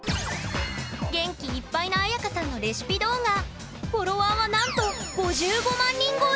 元気いっぱいなあやかさんのレシピ動画フォロワーはなんと５５万人超え！